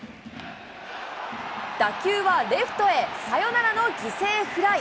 打球はレフトへ、サヨナラの犠牲フライ。